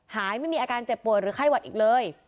ไม่มีอาการเจ็บป่วยหรือไข้หวัดอีกเลย